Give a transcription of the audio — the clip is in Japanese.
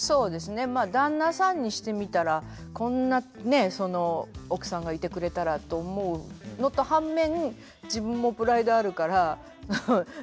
まあ旦那さんにしてみたらこんなね奥さんがいてくれたらと思うのと反面自分もプライドあるから留守って聞いて安心してっていう。